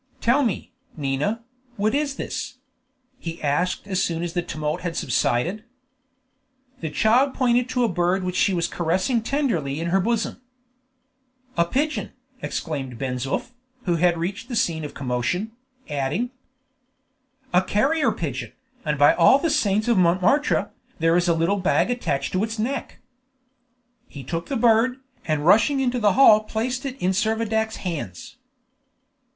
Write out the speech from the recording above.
"Tell me, Nina, what is this?" he asked as soon as the tumult had subsided. The child pointed to a bird which she was caressing tenderly in her bosom. "A pigeon!" exclaimed Ben Zoof, who had reached the scene of commotion, adding: "A carrier pigeon! And by all the saints of Montmartre, there is a little bag attached to its neck!" He took the bird, and rushing into the hall placed it in Servadac's hands.